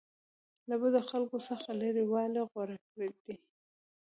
له بدو خلکو څخه لرې والی غوره دی.